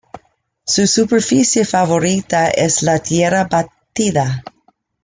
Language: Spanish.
Su superficie favorita es la tierra batida.